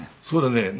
そうだね。